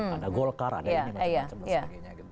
ada golkar ada ini macam macam dan sebagainya